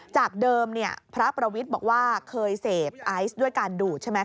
จากเดิมพระประวิทย์บอกว่าเคยเสพไอซ์ด้วยการดูดใช่ไหม